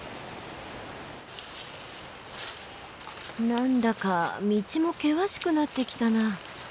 なんだか道も険しくなってきたな。